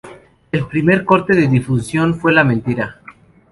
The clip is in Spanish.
El primer corte de difusión fue "La mentira".